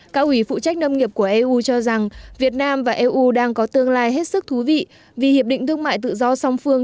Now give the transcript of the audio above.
cao ủy phụ trách nông nghiệp của eu cho rằng việt nam và eu đang có tương lai hết sức thú vị vì hiệp định thương mại tự do song phương